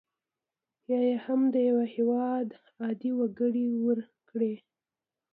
یا یې هم د یو هیواد عادي وګړي ورکړي.